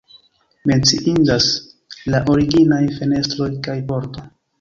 Menciindas la originaj fenestroj kaj pordo.